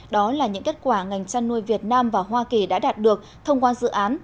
đó là những kết quả ngành chăn nuôi việt nam và hoa kỳ đã đạt được thông qua dự án